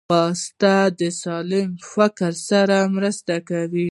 ځغاسته د سالم فکر سره مرسته کوي